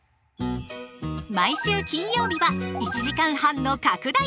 毎週金曜日は１時間半の拡大枠！